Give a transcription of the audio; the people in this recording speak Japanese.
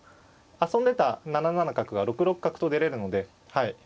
遊んでた７七角が６六角と出れるので。